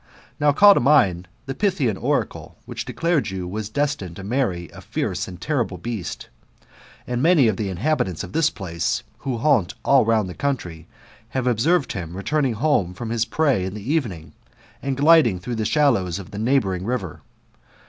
Now call to mind the Pythian oracle, which declared you were destined to marry a fierce and terrible beast ; and many of the inhabitants of this place, who haunt all round the country, have observed liim returning home from his prey in the evening, and gliding through the shallows of the neighbouring river.